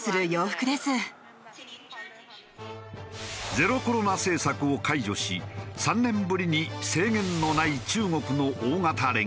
ゼロコロナ政策を解除し３年ぶりに制限のない中国の大型連休。